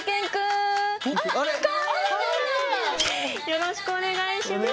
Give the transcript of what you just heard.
よろしくお願いします。